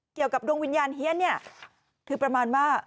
เกี่ยวกับดวงวิญญาณเฮียนคือประมาณว่า